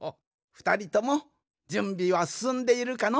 ふたりともじゅんびはすすんでいるかの？